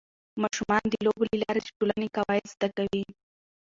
ماشومان د لوبو له لارې د ټولنې قواعد زده کوي.